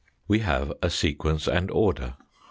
We have a sequence and order.